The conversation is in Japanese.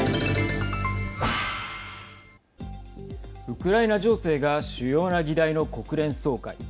ウクライナ情勢が主要な議題の国連総会。